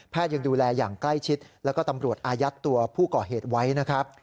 ยังดูแลอย่างใกล้ชิดแล้วก็ตำรวจอายัดตัวผู้ก่อเหตุไว้นะครับ